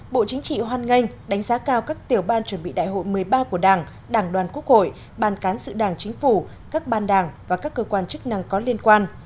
bộ chính trị hoan nghênh đánh giá cao các tiểu ban chuẩn bị đại hội một mươi ba của đảng đảng đoàn quốc hội ban cán sự đảng chính phủ các ban đảng và các cơ quan chức năng có liên quan